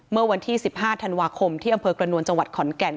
เมื่อวันที่๑๕ธันวาคมที่อำเภอกระนวลจังหวัดขอนแก่น